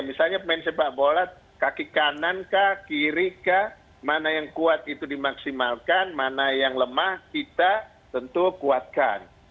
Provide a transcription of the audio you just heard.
misalnya pemain sepak bola kaki kanankah kirikah mana yang kuat itu dimaksimalkan mana yang lemah kita tentu kuatkan